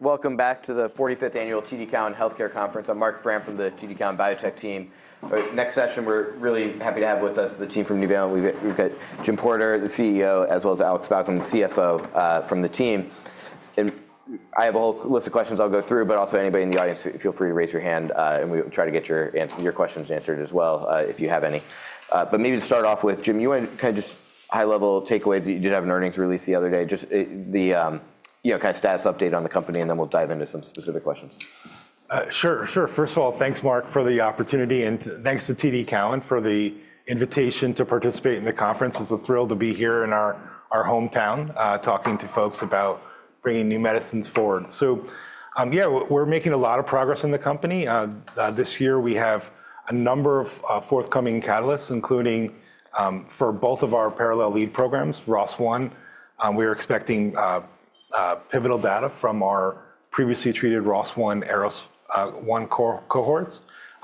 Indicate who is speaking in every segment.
Speaker 1: Welcome back to the 45th Annual TD Cowen Healthcare Conference. I'm Marc Frahm from the TD Cowen Biotech team. Next session, we're really happy to have with us the team from Nuvalent. We've got Jim Porter, the CEO, as well as Alex Balcom, the CFO, from the team. And I have a whole list of questions I'll go through, but also anybody in the audience, feel free to raise your hand, and we'll try to get your questions answered as well, if you have any. But maybe to start off with, Jim, you want to kind of just high-level takeaways that you did have in earnings release the other day? Just the kind of status update on the company, and then we'll dive into some specific questions.
Speaker 2: Sure, sure. First of all, thanks, Mark, for the opportunity, and thanks to TD Cowen for the invitation to participate in the conference. It's a thrill to be here in our hometown talking to folks about bringing new medicines forward. So yeah, we're making a lot of progress in the company. This year, we have a number of forthcoming catalysts, including for both of our parallel lead programs, ROS1. We are expecting pivotal data from our previously treated ROS1 cohorts.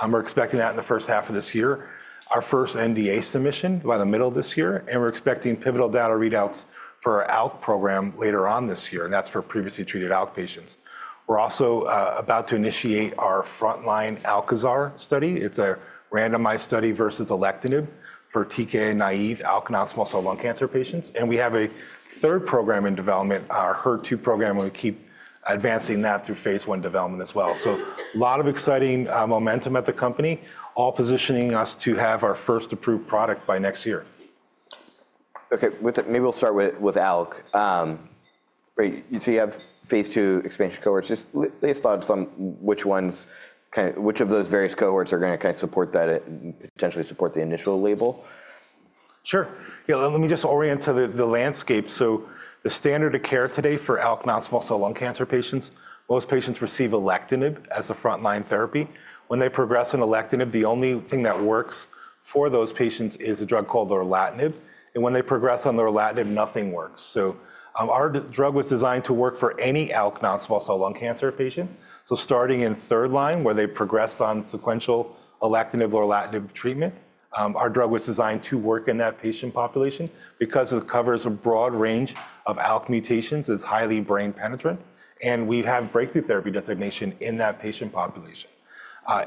Speaker 2: We're expecting that in the first half of this year, our first NDA submission by the middle of this year, and we're expecting pivotal data readouts for our ALK program later on this year, and that's for previously treated ALK patients. We're also about to initiate our frontline ALKAZAR study. It's a randomized study versus alectinib for TKI-naïve ALK non-small cell lung cancer patients. We have a third program in development, our HER2 program, and we keep advancing that through phase 1 development as well. A lot of exciting momentum at the company, all positioning us to have our first approved product by next year.
Speaker 1: Okay, with that, maybe we'll start with ALK. So you have phase 2 expansion cohorts. Just let us know your thoughts on which ones, which of those various cohorts are going to kind of support that and potentially support the initial label.
Speaker 2: Sure. Yeah, let me just orient to the landscape. So the standard of care today for ALK non-small cell lung cancer patients, most patients receive alectinib as a frontline therapy. When they progress on alectinib, the only thing that works for those patients is a drug called lorlatinib. And when they progress on lorlatinib, nothing works. So our drug was designed to work for any ALK non-small cell lung cancer patient. So starting in third line, where they progressed on sequential alectinib, lorlatinib treatment, our drug was designed to work in that patient population because it covers a broad range of ALK mutations. It's highly brain penetrant, and we have breakthrough therapy designation in that patient population.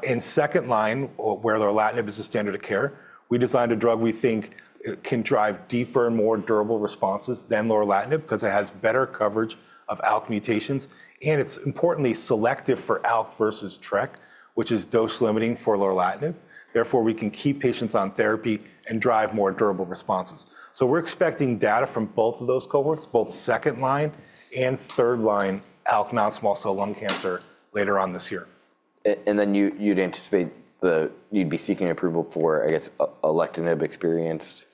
Speaker 2: In second line, where lorlatinib is the standard of care, we designed a drug we think can drive deeper and more durable responses than lorlatinib because it has better coverage of ALK mutations, and it's importantly selective for ALK versus TRK, which is dose limiting for lorlatinib. Therefore, we can keep patients on therapy and drive more durable responses. So we're expecting data from both of those cohorts, both second line and third line ALK non-small cell lung cancer later on this year.
Speaker 1: And then you'd anticipate that you'd be seeking approval for, I guess, alectinib-experienced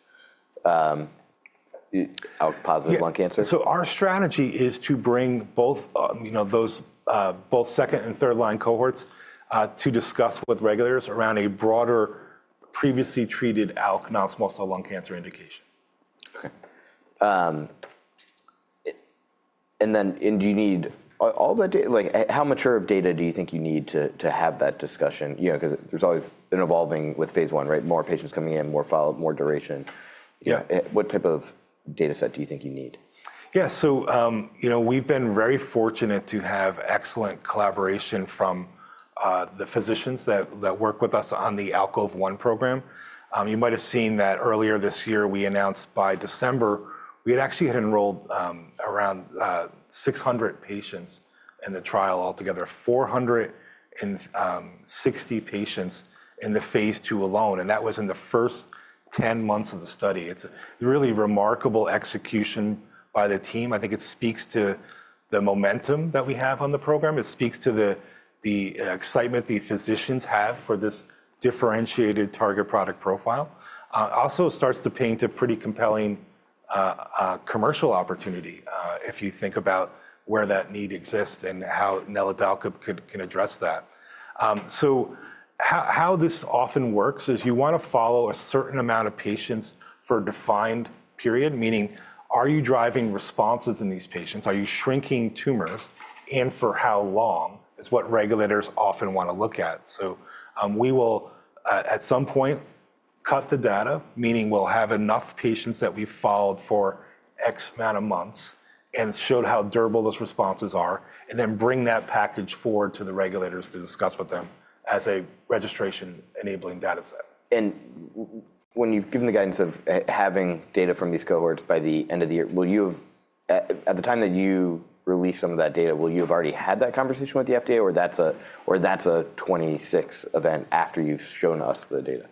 Speaker 1: ALK-positive lung cancer.
Speaker 2: Our strategy is to bring both those second and third line cohorts to discuss with regulators around a broader previously treated ALK non-small cell lung cancer indication.
Speaker 1: Okay, and then do you need all that data? Like, how mature of data do you think you need to have that discussion? Because there's always an evolving with phase one, right? More patients coming in, more follow-up, more duration. What type of data set do you think you need?
Speaker 2: Yeah, so we've been very fortunate to have excellent collaboration from the physicians that work with us on the ALKOVE-1 program. You might have seen that earlier this year, we announced by December, we had actually enrolled around 600 patients in the trial altogether, 460 patients in the phase 2 alone, and that was in the first 10 months of the study. It's a really remarkable execution by the team. I think it speaks to the momentum that we have on the program. It speaks to the excitement the physicians have for this differentiated target product profile. Also, it starts to paint a pretty compelling commercial opportunity if you think about where that need exists and how NVL-655 can address that. So how this often works is you want to follow a certain amount of patients for a defined period, meaning are you driving responses in these patients? Are you shrinking tumors and for how long is what regulators often want to look at, so we will at some point cut the data, meaning we'll have enough patients that we've followed for X amount of months and showed how durable those responses are, and then bring that package forward to the regulators to discuss with them as a registration-enabling data set.
Speaker 1: When you've given the guidance of having data from these cohorts by the end of the year, will you have, at the time that you release some of that data, will you have already had that conversation with the FDA, or that's a '26 event after you've shown us the data?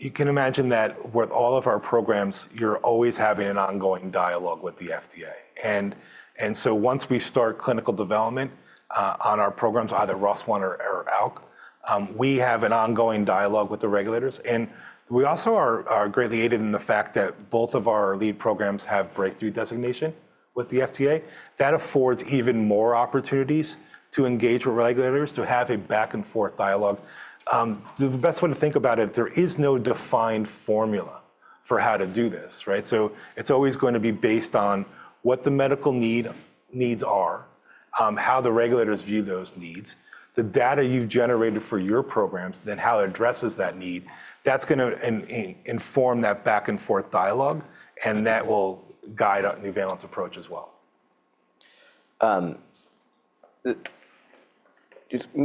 Speaker 2: You can imagine that with all of our programs, you're always having an ongoing dialogue with the FDA. And so once we start clinical development on our programs, either ROS1 or ALK, we have an ongoing dialogue with the regulators. And we also are greatly aided in the fact that both of our lead programs have breakthrough designation with the FDA. That affords even more opportunities to engage with regulators to have a back-and-forth dialogue. The best way to think about it, there is no defined formula for how to do this, right? So it's always going to be based on what the medical needs are, how the regulators view those needs, the data you've generated for your programs, then how it addresses that need. That's going to inform that back-and-forth dialogue, and that will guide a Nuvalent approach as well.
Speaker 1: Maybe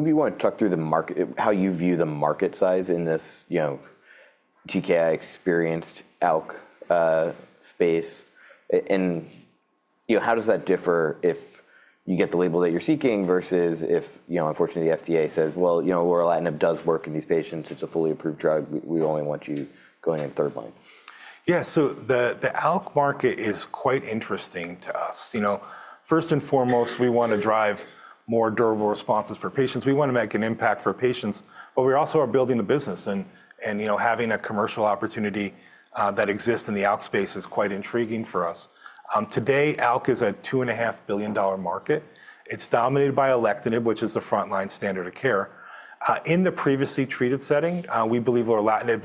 Speaker 1: you want to talk through how you view the market size in this TKI experienced ALK space, and how does that differ if you get the label that you're seeking versus if, unfortunately, the FDA says, well, lorlatinib does work in these patients? It's a fully approved drug. We only want you going in third line.
Speaker 2: Yeah, so the ALK market is quite interesting to us. First and foremost, we want to drive more durable responses for patients. We want to make an impact for patients, but we also are building a business, and having a commercial opportunity that exists in the ALK space is quite intriguing for us. Today, ALK is a $2.5 billion market. It's dominated by alectinib, which is the frontline standard of care. In the previously treated setting, we believe lorlatinib in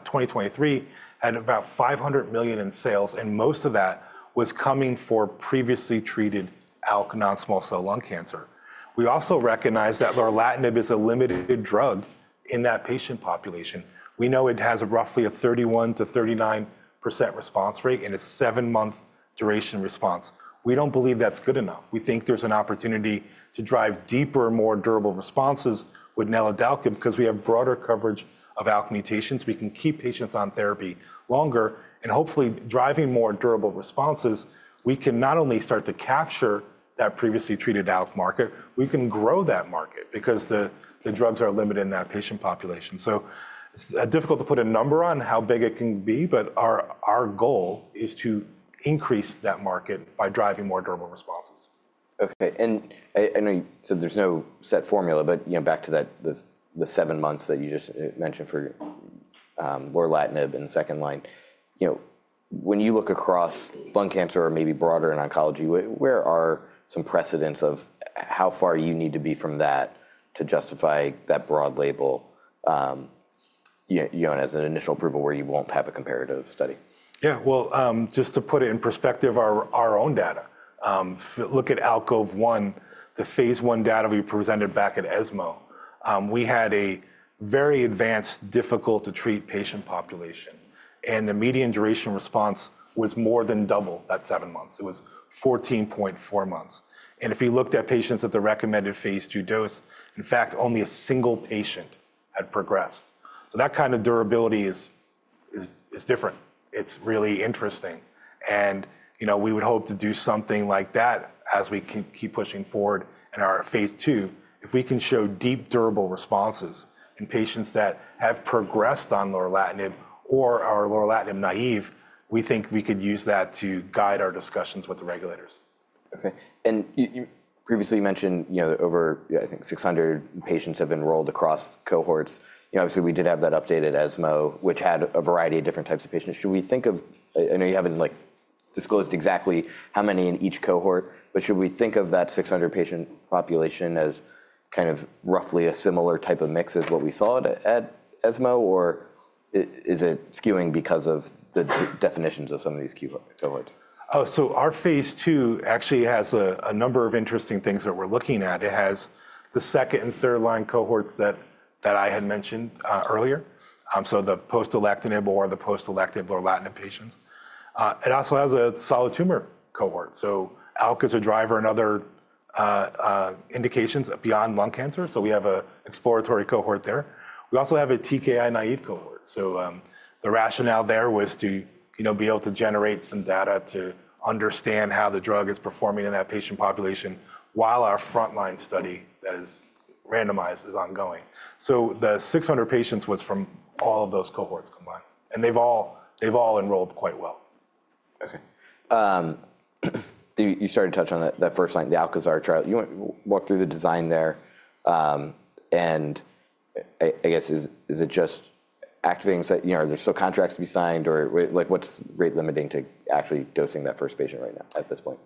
Speaker 2: 2023 had about $500 million in sales, and most of that was coming for previously treated ALK non-small cell lung cancer. We also recognize that lorlatinib is a limited drug in that patient population. We know it has roughly a 31%-39% response rate and a seven-month duration response. We don't believe that's good enough. We think there's an opportunity to drive deeper, more durable responses with NVL-655 because we have broader coverage of ALK mutations. We can keep patients on therapy longer, and hopefully, driving more durable responses, we can not only start to capture that previously treated ALK market, we can grow that market because the drugs are limited in that patient population. So it's difficult to put a number on how big it can be, but our goal is to increase that market by driving more durable responses.
Speaker 1: Okay, and I know you said there's no set formula, but back to the seven months that you just mentioned for lorlatinib and second line, when you look across lung cancer or maybe broader in oncology, where are some precedents of how far you need to be from that to justify that broad label as an initial approval where you won't have a comparative study?
Speaker 2: Yeah, well, just to put it in perspective, our own data, look at ALKOVE-1, the phase one data we presented back at ESMO. We had a very advanced, difficult-to-treat patient population, and the median duration response was more than double that seven months. It was 14.4 months. And if you looked at patients at the recommended phase two dose, in fact, only a single patient had progressed. So that kind of durability is different. It's really interesting. And we would hope to do something like that as we keep pushing forward in our phase two. If we can show deep, durable responses in patients that have progressed on lorlatinib or are lorlatinib-naïve, we think we could use that to guide our discussions with the regulators.
Speaker 1: Okay, and previously you mentioned over, I think, 600 patients have enrolled across cohorts. Obviously, we did have that updated ESMO, which had a variety of different types of patients. Should we think of, I know you haven't disclosed exactly how many in each cohort, but should we think of that 600 patient population as kind of roughly a similar type of mix as what we saw at ESMO, or is it skewing because of the definitions of some of these cohorts?
Speaker 2: So our phase two actually has a number of interesting things that we're looking at. It has the second and third line cohorts that I had mentioned earlier. So the post-alectinib or the post-lorlatinib patients. It also has a solid tumor cohort. So ALK is a driver in other indications beyond lung cancer. So we have an exploratory cohort there. We also have a TKI-naïve cohort. So the rationale there was to be able to generate some data to understand how the drug is performing in that patient population while our frontline study that is randomized is ongoing. So the 600 patients was from all of those cohorts combined, and they've all enrolled quite well.
Speaker 1: Okay. You started to touch on that first line, the ALKAZAR trial. You walked through the design there, and I guess is it just activating? Are there still contracts to be signed, or what's rate limiting to actually dosing that first patient right now at this point?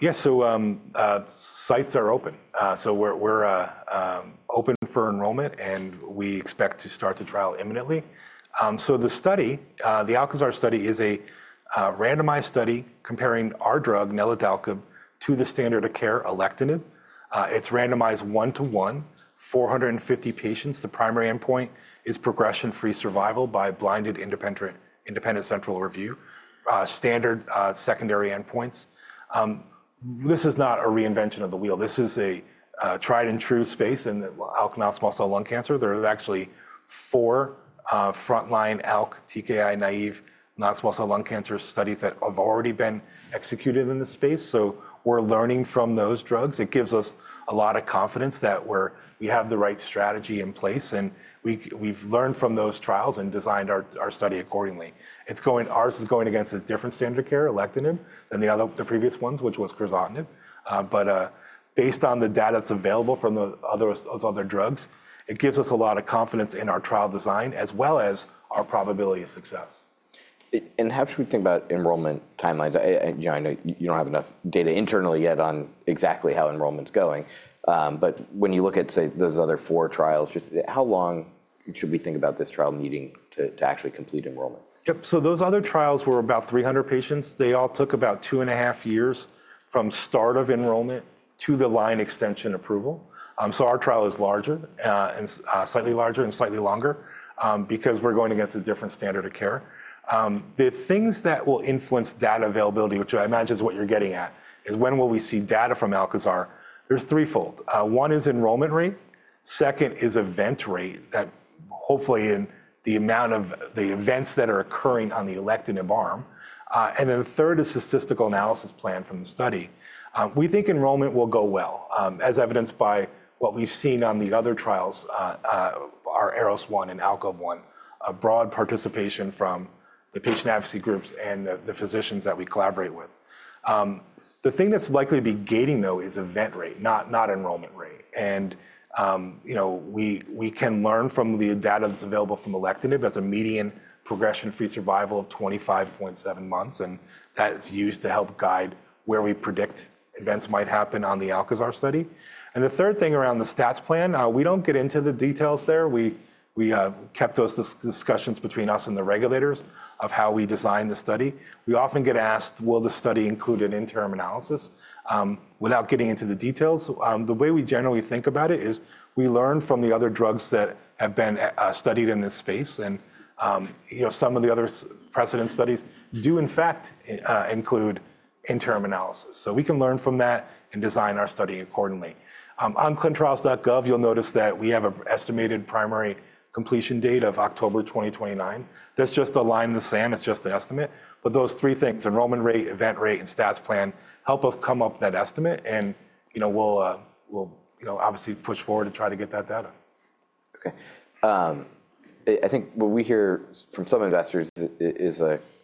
Speaker 2: Yeah, so sites are open. So we're open for enrollment, and we expect to start the trial imminently. So the study, the ALKAZAR study, is a randomized study comparing our drug, NVL-655, to the standard of care alectinib. It's randomized one-to-one, 450 patients. The primary endpoint is progression-free survival by blinded independent central review, standard secondary endpoints. This is not a reinvention of the wheel. This is a tried-and-true space in ALK non-small cell lung cancer. There are actually four frontline ALK, TKI- naive non-small cell lung cancer studies that have already been executed in this space. So we're learning from those drugs. It gives us a lot of confidence that we have the right strategy in place, and we've learned from those trials and designed our study accordingly. Ours is going against a different standard of care, alectinib, than the previous ones, which was crizotinib. But based on the data that's available from those other drugs, it gives us a lot of confidence in our trial design as well as our probability of success.
Speaker 1: How should we think about enrollment timelines? I know you don't have enough data internally yet on exactly how enrollment's going, but when you look at, say, those other four trials, just how long should we think about this trial needing to actually complete enrollment?
Speaker 2: Yep, so those other trials were about 300 patients. They all took about two and a half years from start of enrollment to the line extension approval. So our trial is larger, slightly larger, and slightly longer because we're going against a different standard of care. The things that will influence data availability, which I imagine is what you're getting at, is when will we see data from ALKAZAR? There's threefold. One is enrollment rate. Second is event rate that hopefully in the amount of the events that are occurring on the alectinib arm. And then third is the statistical analysis plan from the study. We think enrollment will go well, as evidenced by what we've seen on the other trials, our ARROS-1 and ALKOVE-1, broad participation from the patient advocacy groups and the physicians that we collaborate with. The thing that's likely to be gating though is event rate, not enrollment rate. And we can learn from the data that's available from alectinib as a median progression-free survival of 25.7 months, and that is used to help guide where we predict events might happen on the ALKAZAR study. And the third thing around the stats plan, we don't get into the details there. We kept those discussions between us and the regulators of how we design the study. We often get asked, will the study include an interim analysis? Without getting into the details, the way we generally think about it is we learn from the other drugs that have been studied in this space, and some of the other precedent studies do in fact include interim analysis. So we can learn from that and design our study accordingly. On clinicaltrials.gov, you'll notice that we have an estimated primary completion date of October 2029. That's just a line in the sand. It's just an estimate. But those three things, enrollment rate, event rate, and stats plan, help us come up with that estimate, and we'll obviously push forward to try to get that data.
Speaker 1: Okay. I think what we hear from some investors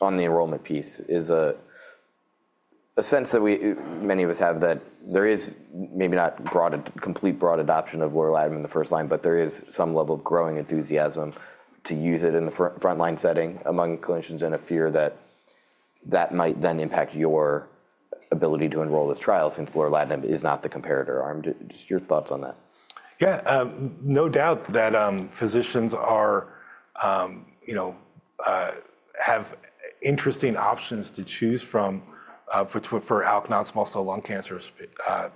Speaker 1: on the enrollment piece is a sense that many of us have that there is maybe not complete broad adoption of lorlatinib in the first line, but there is some level of growing enthusiasm to use it in the frontline setting among clinicians and a fear that that might then impact your ability to enroll this trial since lorlatinib is not the comparator arm. Just your thoughts on that?
Speaker 2: Yeah, no doubt that physicians have interesting options to choose from for ALK non-small cell lung cancer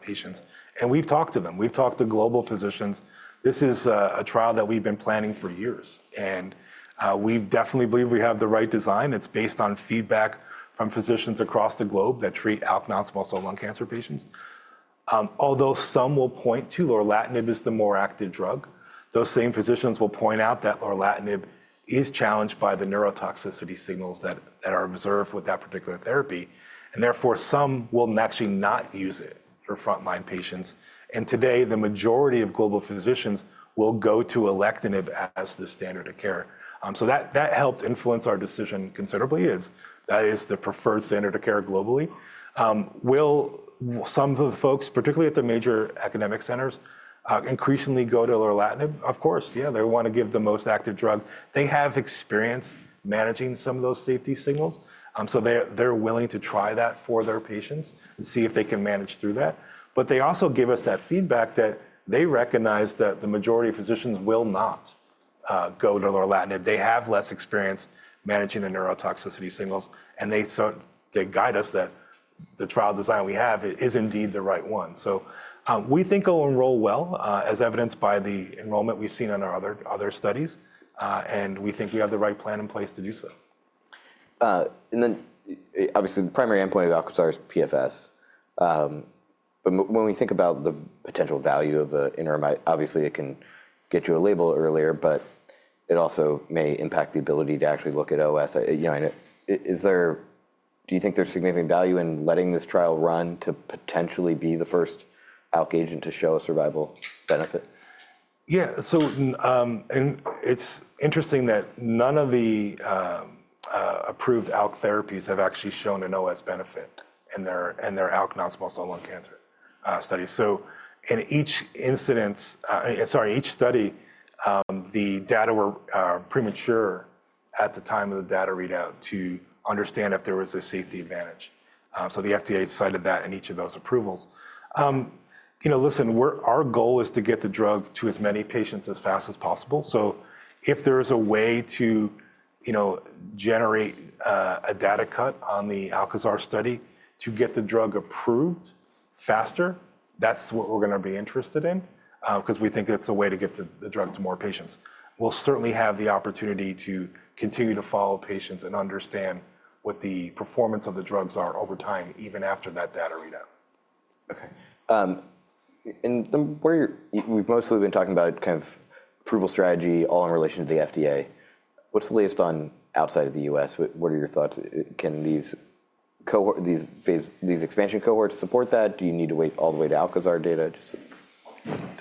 Speaker 2: patients, and we've talked to them. We've talked to global physicians. This is a trial that we've been planning for years, and we definitely believe we have the right design. It's based on feedback from physicians across the globe that treat ALK non-small cell lung cancer patients. Although some will point to lorlatinib as the more active drug, those same physicians will point out that lorlatinib is challenged by the neurotoxicity signals that are observed with that particular therapy, and therefore some will actually not use it for frontline patients, and today, the majority of global physicians will go to alectinib as the standard of care, so that helped influence our decision considerably. That is the preferred standard of care globally. Will some of the folks, particularly at the major academic centers, increasingly go to lorlatinib? Of course, yeah. They want to give the most active drug. They have experience managing some of those safety signals, so they're willing to try that for their patients and see if they can manage through that. But they also give us that feedback that they recognize that the majority of physicians will not go to lorlatinib. They have less experience managing the neurotoxicity signals, and they guide us that the trial design we have is indeed the right one. So we think it'll enroll well, as evidenced by the enrollment we've seen in our other studies, and we think we have the right plan in place to do so.
Speaker 1: And then obviously the primary endpoint of ALKAZAR is PFS. But when we think about the potential value of the interim, obviously it can get you a label earlier, but it also may impact the ability to actually look at OS. Do you think there's significant value in letting this trial run to potentially be the first ALK agent to show a survival benefit?
Speaker 2: Yeah, and it's interesting that none of the approved ALK therapies have actually shown an OS benefit in their ALK non-small cell lung cancer studies. So in each incidence, sorry, each study, the data were premature at the time of the data readout to understand if there was a safety advantage. So the FDA cited that in each of those approvals. Listen, our goal is to get the drug to as many patients as fast as possible. So if there is a way to generate a data cut on the ALKAZAR study to get the drug approved faster, that's what we're going to be interested in because we think it's a way to get the drug to more patients. We'll certainly have the opportunity to continue to follow patients and understand what the performance of the drugs are over time, even after that data readout.
Speaker 1: Okay. And we've mostly been talking about kind of approval strategy all in relation to the FDA. What's the latest on outside of the U.S.? What are your thoughts? Can these expansion cohorts support that? Do you need to wait all the way to ALKAZAR data?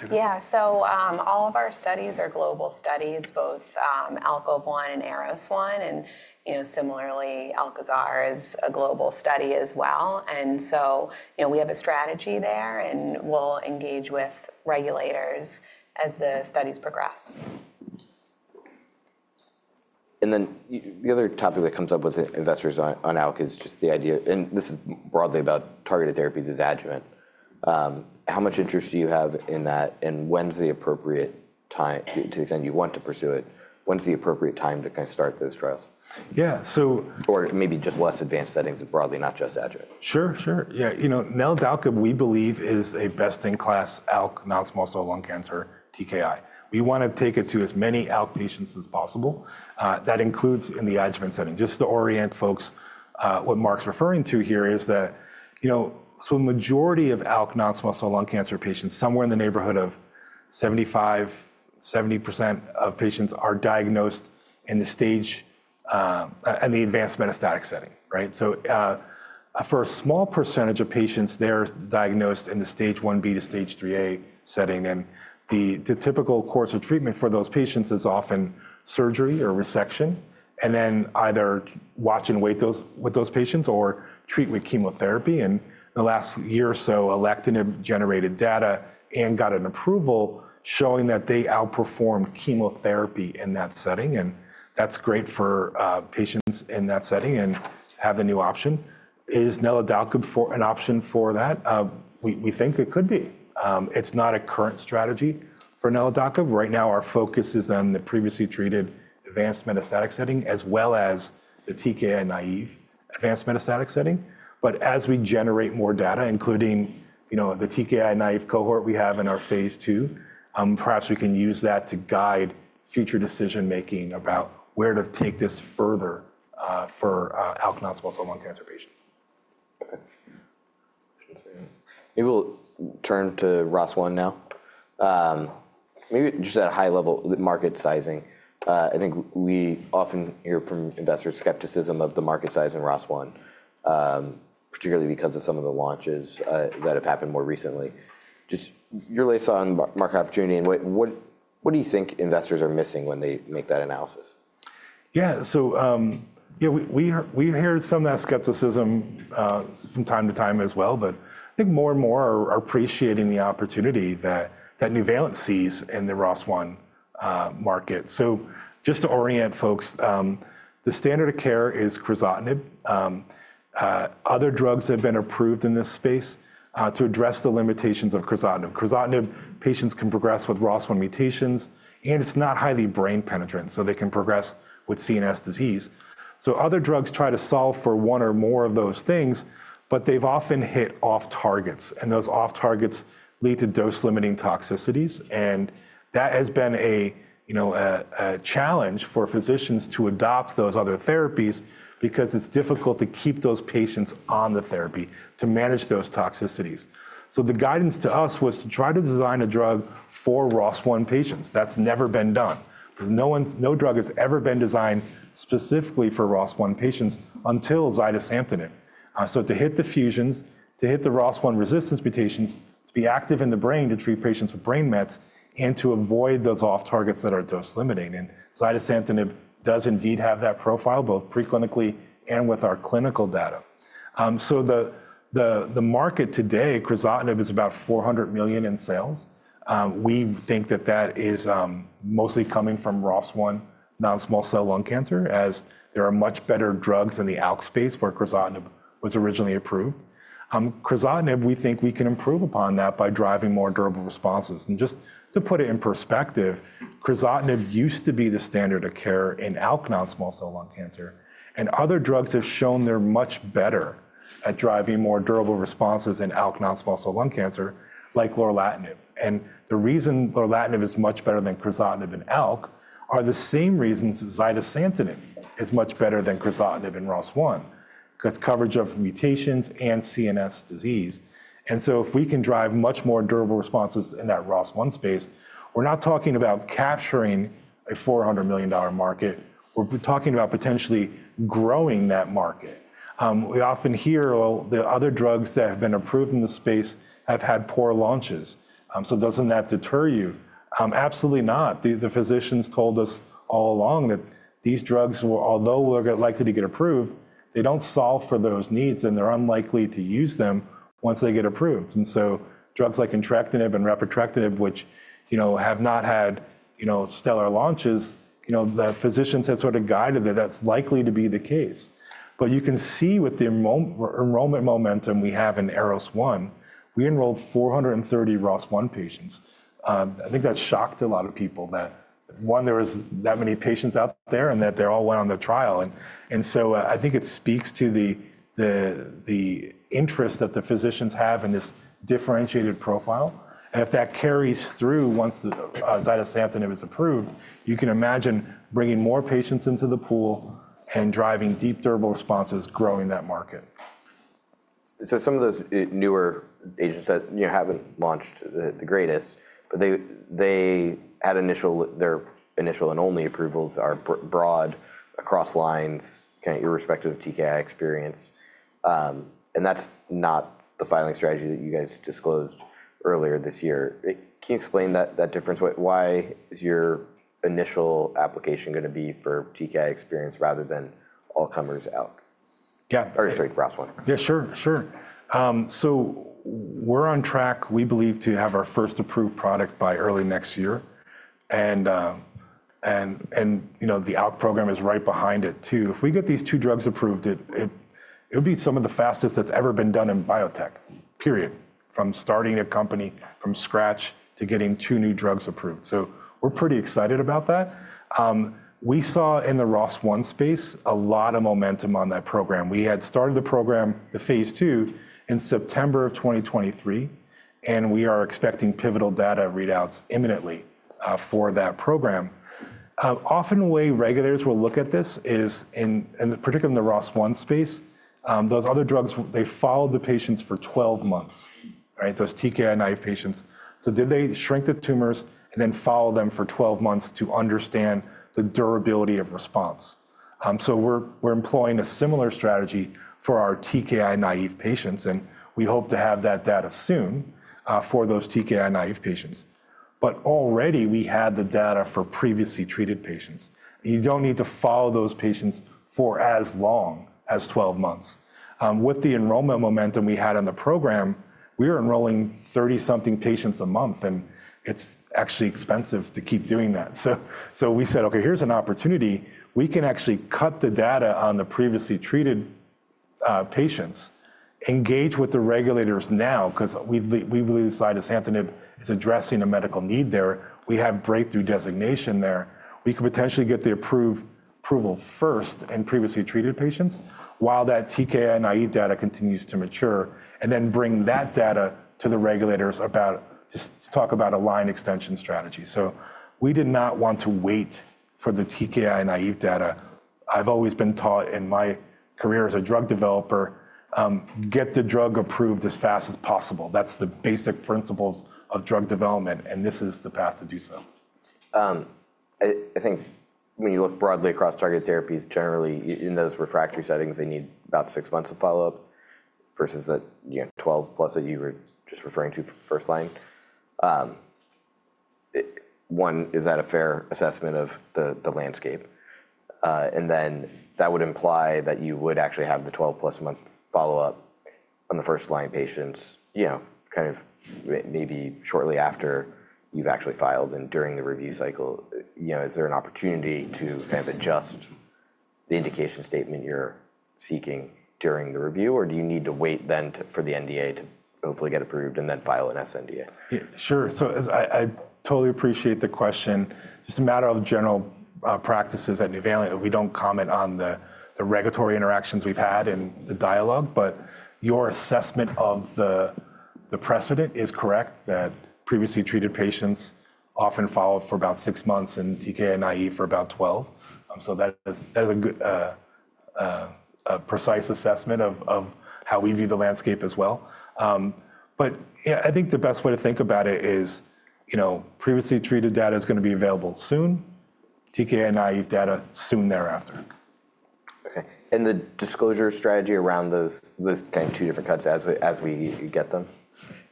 Speaker 3: Yeah, so all of our studies are global studies, both ALKOVE-1 and ARROS-1, and similarly, ALKAZAR is a global study as well, and so we have a strategy there, and we'll engage with regulators as the studies progress.
Speaker 1: And then the other topic that comes up with investors on ALK is just the idea, and this is broadly about targeted therapies as adjuvant. How much interest do you have in that, and when's the appropriate time, to the extent you want to pursue it, when's the appropriate time to kind of start those trials?
Speaker 2: Yeah, so.
Speaker 1: Or maybe just less advanced settings and broadly, not just adjuvant.
Speaker 2: Sure, sure. Yeah, NVL-655, we believe, is a best-in-class ALK non-small cell lung cancer TKI. We want to take it to as many ALK patients as possible. That includes in the adjuvant setting. Just to orient folks, what Mark's referring to here is that so the majority of ALK non-small cell lung cancer patients, somewhere in the neighborhood of 75, 70% of patients are diagnosed in the stage IV and the advanced metastatic setting, right? So, for a small percentage of patients, they're diagnosed in the stage 1B to stage 3A setting, and the typical course of treatment for those patients is often surgery or resection, and then either watch and wait with those patients or treat with chemotherapy. And the last year or so, alectinib-generated data and got an approval showing that they outperformed chemotherapy in that setting, and that's great for patients in that setting and have a new option. Is NVL-655 an option for that? We think it could be. It's not a current strategy for NVL-655. Right now, our focus is on the previously treated advanced metastatic setting as well as the TKI-naïve advanced metastatic setting. But as we generate more data, including the TKI-naïve cohort we have in our phase 2, perhaps we can use that to guide future decision-making about where to take this further for ALK non-small cell lung cancer patients.
Speaker 1: Okay. Maybe we'll turn to ROS1 now. Maybe just at a high level, market sizing. I think we often hear from investors skepticism of the market size in ROS1, particularly because of some of the launches that have happened more recently. Just your latest thought on market opportunity, and what do you think investors are missing when they make that analysis?
Speaker 2: Yeah, so we hear some of that skepticism from time to time as well, but I think more and more are appreciating the opportunity that Nuvalent sees in the ROS1 market. So just to orient folks, the standard of care is crizotinib. Other drugs have been approved in this space to address the limitations of crizotinib. Crizotinib, patients can progress with ROS1 mutations, and it's not highly brain penetrant, so they can progress with CNS disease. So other drugs try to solve for one or more of those things, but they've often hit off-targets, and those off-targets lead to dose-limiting toxicities, and that has been a challenge for physicians to adopt those other therapies because it's difficult to keep those patients on the therapy to manage those toxicities. So, the guidance to us was to try to design a drug for ROS1 patients. That's never been done. No drug has ever been designed specifically for ROS1 patients until zidesamtinib. So, to hit the fusions, to hit the ROS1 resistance mutations, to be active in the brain to treat patients with brain mets, and to avoid those off-targets that are dose-limiting. And zidesamtinib does indeed have that profile, both preclinically and with our clinical data. So, the market today, crizotinib is about $400 million in sales. We think that that is mostly coming from ROS1 non-small cell lung cancer, as there are much better drugs in the ALK space where crizotinib was originally approved. Crizotinib, we think we can improve upon that by driving more durable responses. And just to put it in perspective, crizotinib used to be the standard of care in ALK non-small cell lung cancer, and other drugs have shown they're much better at driving more durable responses in ALK non-small cell lung cancer, like lorlatinib. And the reason lorlatinib is much better than crizotinib in ALK are the same reasons zidesamtinib is much better than crizotinib in ROS1, because coverage of mutations and CNS disease. And so, if we can drive much more durable responses in that ROS1 space, we're not talking about capturing a $400 million market. We're talking about potentially growing that market. We often hear, well, the other drugs that have been approved in the space have had poor launches. So, doesn't that deter you? Absolutely not. The physicians told us all along that these drugs, although they're likely to get approved, they don't solve for those needs, and they're unlikely to use them once they get approved. And so, drugs like entrectinib and repotrectinib, which have not had stellar launches, the physicians have sort of guided that that's likely to be the case. But you can see with the enrollment momentum we have in ARROS-1, we enrolled 430 ROS1 patients. I think that shocked a lot of people that, one, there were that many patients out there and that they all went on the trial. And so, I think it speaks to theinterest that the physicians have in this differentiated profile. And if that carries through once zidesamtinib is approved, you can imagine bringing more patients into the pool and driving deep durable responses, growing that market.
Speaker 1: So some of those newer agents that haven't launched, the greatest, but their initial and only approvals are broad across lines, kind of irrespective of TKI experience. And that's not the filing strategy that you guys disclosed earlier this year. Can you explain that difference? Why is your initial application going to be for TKI experience rather than all-comers ALK?
Speaker 2: Yeah.
Speaker 4: Or sorry, ROS1.
Speaker 2: Yeah, sure, sure. So, we're on track, we believe, to have our first approved product by early next year, and the ALK program is right behind it too. If we get these two drugs approved, it'll be some of the fastest that's ever been done in biotech, period, from starting a company from scratch to getting two new drugs approved. So, we're pretty excited about that. We saw in the ROS1 space a lot of momentum on that program. We had started the program, the phase two, in September of 2023, and we are expecting pivotal data readouts imminently for that program. Often the way regulators will look at this is, and particularly in the ROS1 space, those other drugs, they followed the patients for 12 months, right? Those TKI naive patients. Did they shrink the tumors and then follow them for 12 months to understand the durability of response? We're employing a similar strategy for our TKI naive patients, and we hope to have that data soon for those TKI naive patients. But already we had the data for previously treated patients. You don't need to follow those patients for as long as 12 months. With the enrollment momentum we had in the program, we were enrolling 30-something patients a month, and it's actually expensive to keep doing that. So, we said, okay, here's an opportunity. We can actually cut the data on the previously treated patients, engage with the regulators now, because we believe zidesamtinib is addressing a medical need there. We have breakthrough designation there. We could potentially get the approval first in previously treated patients while that TKI-naïve data continues to mature and then bring that data to the regulators to talk about a line extension strategy. So, we did not want to wait for the TKI-naïve data. I've always been taught in my career as a drug developer, get the drug approved as fast as possible. That's the basic principles of drug development, and this is the path to do so.
Speaker 1: I think when you look broadly across targeted therapies, generally in those refractory settings, they need about six months of follow-up versus that 12 plus that you were just referring to first line. One, is that a fair assessment of the landscape? And then that would imply that you would actually have the 12 plus month follow-up on the first line patients' kind of maybe shortly after you've actually filed and during the review cycle. Is there an opportunity to kind of adjust the indication statement you're seeking during the review, or do you need to wait then for the NDA to hopefully get approved and then file an SNDA?
Speaker 2: Yeah, sure. So, I totally appreciate the question. Just a matter of general practices at Nuvalent, we don't comment on the regulatory interactions we've had and the dialogue, but your assessment of the precedent is correct that previously treated patients often followed for about six months and TKI-naïve for about 12. So that is a precise assessment of how we view the landscape as well. But I think the best way to think about it is previously treated data is going to be available soon, TKI-naïve data soon thereafter.
Speaker 1: Okay, and the disclosure strategy around those kind of two different cuts as we get them?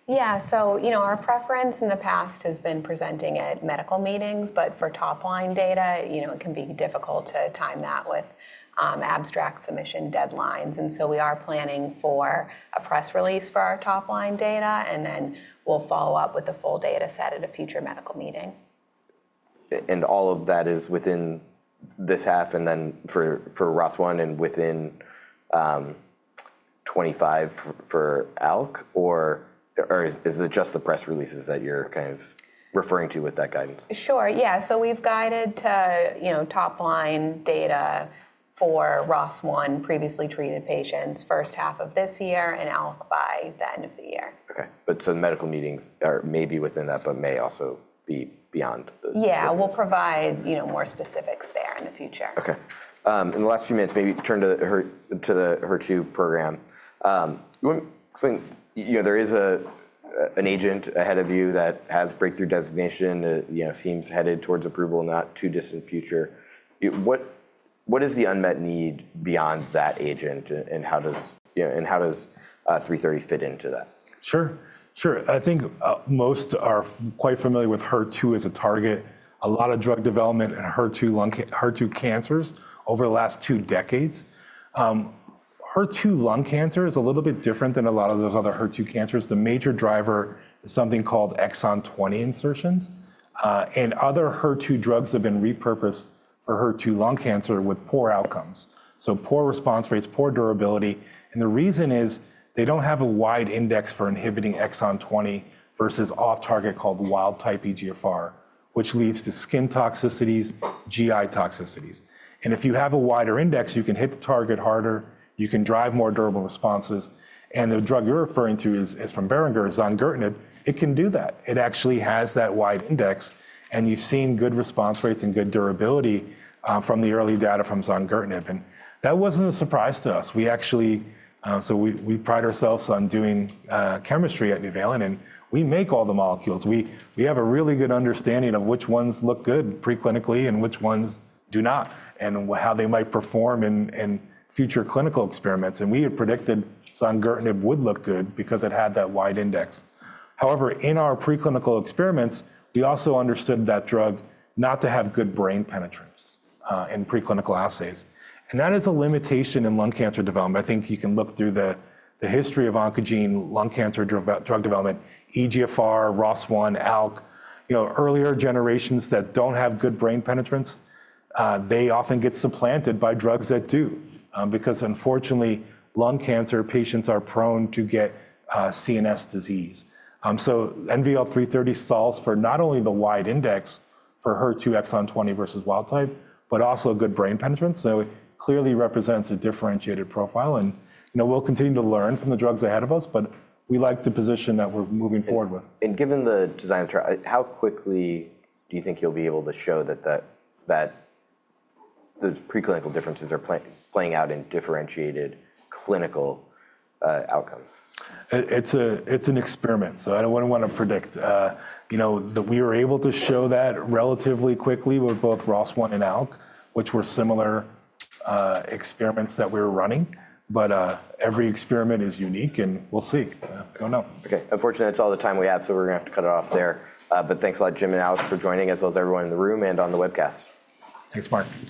Speaker 3: Yeah, so our preference in the past has been presenting at medical meetings, but for top-line data, it can be difficult to time that with abstract submission deadlines, and so we are planning for a press release for our top-line data, and then we'll follow up with the full data set at a future medical meeting.
Speaker 1: And all of that is within this half and then for ROS1 and within 25 for ALK, or is it just the press releases that your're kind of referring to with that guidance?
Speaker 3: Sure, yeah, so we've guided top-line data for ROS1 previously treated patients first half of this year and ALK by the End of the year.
Speaker 1: Okay. But so medical meetings are maybe within that, but may also be beyond the.
Speaker 3: Yeah, we'll provide more specifics there in the future.
Speaker 1: Okay. In the last few minutes, maybe turn to the HER2 program. There is an agent ahead of you that has breakthrough designation, seems headed towards approval in the not-too-distant future. What is the unmet need beyond that agent, and how does 330 fits into that?
Speaker 2: Sure, sure. I think most are quite familiar with HER2 as a target. A lot of drug development in HER2 cancers over the last two decades. HER2 lung cancer is a little bit different than a lot of those other HER2 cancers. The major driver is something called exon 20 insertions, and other HER2 drugs have been repurposed for HER2 lung cancer with poor outcomes. So poor response rates, poor durability. And the reason is they don't have a wide index for inhibiting exon 20 versus off-target called wild-type EGFR, which leads to skin toxicities, GI toxicities. And if you have a wider index, you can hit the target harder, you can drive more durable responses, and the drug you're referring to is from Boehringer, zongertinib. It can do that. It actually has that wide index, and you've seen good response rates and good durability from the early data from zongertinib. And that wasn't a surprise to us. So, we pride ourselves on doing chemistry at Nuvalent, and we make all the molecules. We have a really good understanding of which ones look good preclinically, and which ones do not, and how they might perform in future clinical experiments. And we had predicted zongertinib would look good because it had that wide index. However, in our preclinical experiments, we also understood that drug not to have good brain penetrance in preclinical assays. And that is a limitation in lung cancer development. I think you can look through the history of oncogene lung cancer drug development, EGFR, ROS1, ALK. Earlier generations that don't have good brain penetrance, they often get supplanted by drugs that do, because unfortunately, lung cancer patients are prone to get CNS disease. So NVL-330 solves for not only the wide index for HER2 exon 20 versus wild-type, but also good brain penetrance. So, it clearly represents a differentiated profile, and we'll continue to learn from the drugs ahead of us, but we like the position that we're moving forward with.
Speaker 1: Given the design of the trial, how quickly do you think you'll be able to show that those preclinical differences are playing out in differentiated clinical outcomes?
Speaker 2: It's an experiment, so I don't want to predict. We were able to show that relatively quickly with both ROS1 and ALK, which were similar experiments that we were running, but every experiment is unique, and we'll see. Don't know.
Speaker 1: Okay. Unfortunately, that's all the time we have, so we're going to have to cut it off there. But thanks a lot, Jim and Alex, for joining, as well as everyone in the room and on the webcast.
Speaker 2: Thanks, Mark.